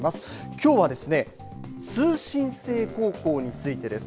きょうはですね通信制高校についてです。